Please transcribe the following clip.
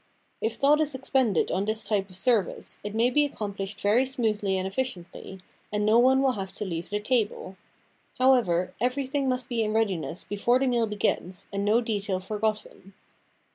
If thought is expended on this type of service, it may be accomplished very smoothly and efficiently, and no one will have to leave the table. How ever, everything must be in readiness before the meal begins and no detail forgotten.